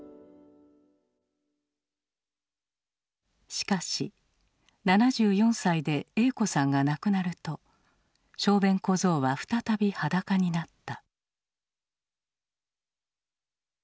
しかし７４歳で栄子さんが亡くなると小便小僧は再び裸になった。